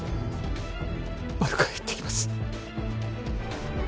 バルカへ行ってきます